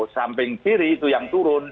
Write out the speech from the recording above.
samping kiri itu yang turun